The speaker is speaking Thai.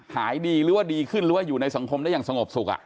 หายดีหรือว่าดีขึ้นหรือว่าอยู่ในสังคมได้อย่างสงบสุข